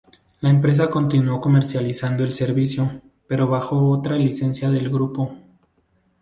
La empresa continuó comercializando el servicio, pero bajo otra licencia del grupo.